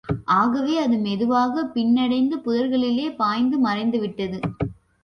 ஆகவே, அது மெதுவாகப் பின்னடைந்து புதர்களிலே பாய்ந்து மறைந்துவிட்டது.